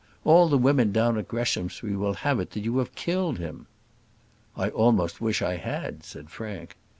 All the women down at Greshamsbury will have it that you have killed him." "I almost wish I had," said Frank.